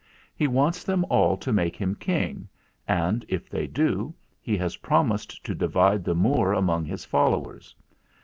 He wants them all to make him King, and, if they do, he has promised to divide the Moor among his followers.